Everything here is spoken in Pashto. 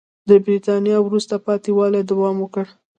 د برېټانیا وروسته پاتې والي دوام وکړ.